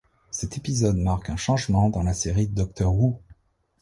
Cet épisode marque un changement dans la série Doctor Who.